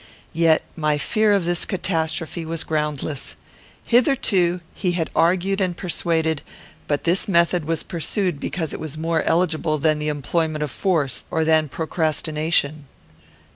Yet my fear of this catastrophe was groundless. Hitherto he had argued and persuaded; but this method was pursued because it was more eligible than the employment of force, or than procrastination.